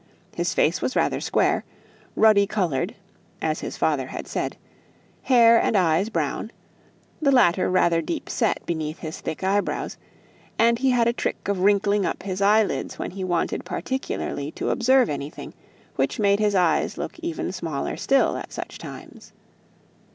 His face was rather square, ruddy coloured (as his father had said), hair and eyes brown the latter rather deep set beneath his thick eyebrows; and he had a trick of wrinkling up his eyelids when he wanted particularly to observe anything, which made his eyes look even smaller still at such times.